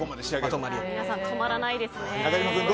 皆さん止まらないですね。